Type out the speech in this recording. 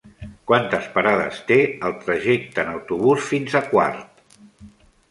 Quantes parades té el trajecte en autobús fins a Quart?